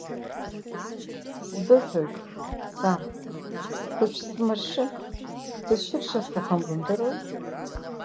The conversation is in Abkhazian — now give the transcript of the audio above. Сбыҳәоит, сан, быҽсыбмыршьын, бысшьыр шысҭахым бымдыруеи!